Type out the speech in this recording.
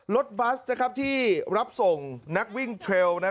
รถบัสที่รับส่งนักวิ่งเทรล